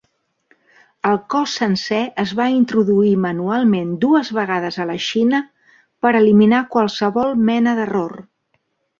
El cos sencer es va introduir manualment dues vegades a la Xina per eliminar qualsevol mena d'error.